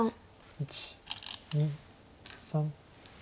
１２３。